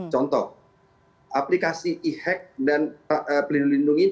contoh aplikasi e hack dan pelindungi lindungi itu